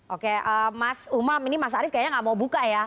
oke mas umam ini mas arief kayaknya nggak mau buka ya